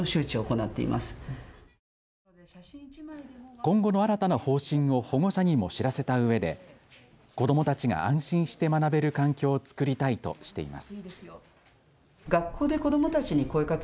今後の新たな方針を保護者にも知らせたうえで子どもたちが安心して学べる環境を作りたいとしています。